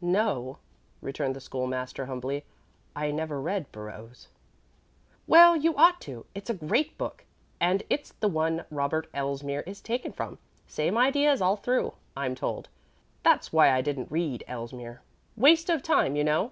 "No," returned the School master, humbly. "I never read Burrows." "Well, you ought to. It's a great book, and it's the one Robert Elsmere is taken from same ideas all through, I'm told that's why I didn't read Elsmere. Waste of time, you know.